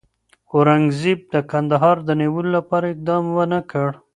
اورنګزېب د کندهار د نیولو لپاره اقدام ونه کړ.